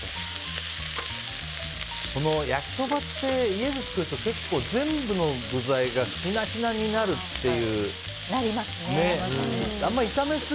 焼きそばって家で作ると全部の具材がしなしなになるっていう。